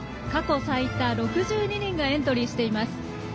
過去最多、６２人がエントリーしています。